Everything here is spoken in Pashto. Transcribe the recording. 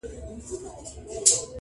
لوستونکي پرې ژور فکر کوي تل،